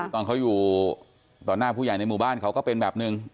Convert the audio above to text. ตอนเขาอยู่ต่อหน้าผู้ใหญ่ในหมู่บ้านเขาก็เป็นแบบหนึ่ง